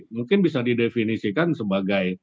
mungkin bisa didefinisikan sebagai keonaran ya